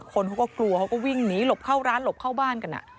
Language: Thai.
คนเขาก็กลัวเขาก็วิ่งหนีหลบเข้าร้านหลบเข้าบ้านกัน